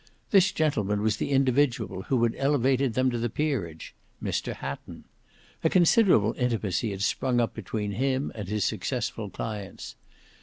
This gentleman was the individual who had elevated them to the peerage—Mr Hatton. A considerable intimacy had sprung up between him and his successful clients.